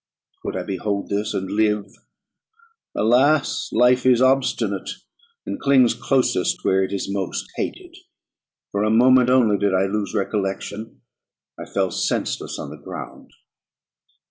Could I behold this, and live? Alas! life is obstinate, and clings closest where it is most hated. For a moment only did I lose recollection; I fell senseless on the ground.